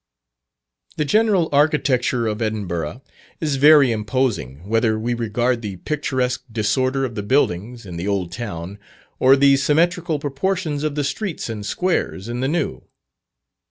The general architecture of Edinburgh is very imposing, whether we regard the picturesque disorder of the buildings, in the Old Town, or the symmetrical proportions of the streets and squares in the New.